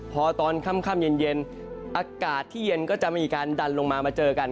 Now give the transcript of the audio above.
พอตอนค่ำเย็นอากาศที่เย็นก็จะมีการดันลงมามาเจอกัน